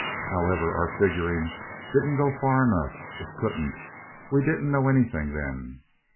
However, our figuring didn't go far enough it couldn't: we didn't know anything then.